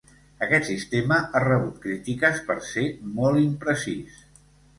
Aquest sistema ha rebut crítiques per ser molt imprecís.